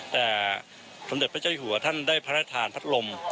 แต่สมเด็จพระเจ้าอยู่หัวท่านได้พระราชทานพัดลม